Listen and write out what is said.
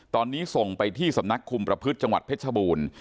ตอนนี้ส่งไปที่สำนักคุมประพฤติจังหวัดเพชรบูรณ์